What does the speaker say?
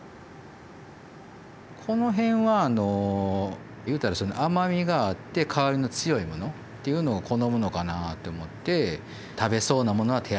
このへんはあのいうたら甘みがあって香りの強いものっていうのを好むのかなって思って食べそうなものは手当たり次第。